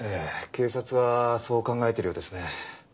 警察はそう考えてるようですね。